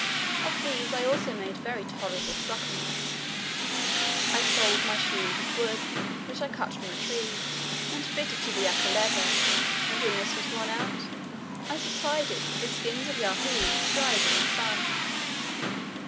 Of these I also made very tolerable stockings. I soled my shoes with wood, which I cut from a tree, and fitted to the upper leather; and when this was worn out, I supplied it with the skins of Yahoos dried in the sun.